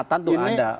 catatan itu ada